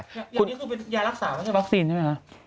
อันนี้คือเป็นยารักษาไม่ใช่วัคซีนใช่ไหมคะ